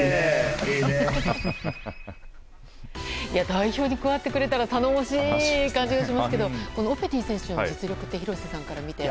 代表に加わってくれたら頼もしい感じがしますけどオペティ選手の実力は廣瀬さんから見て。